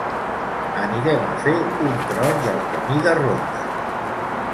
Anirem a fer un tros del camí de ronda